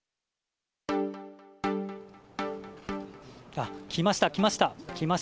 あ、来ました来ました！